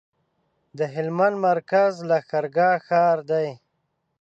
د هلمند مرکز لښکرګاه ښار دی